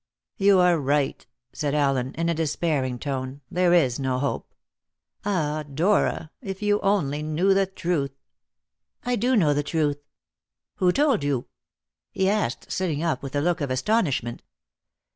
"You are right," said Allen in a despairing tone; "there is no hope. Ah, Dora, if you only knew the truth!" "I do know the truth." "Who told you?" he asked, sitting up with a look of astonishment.